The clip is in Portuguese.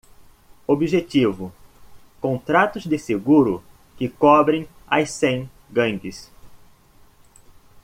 Objetivo: contratos de seguro que cobrem as cem gangues.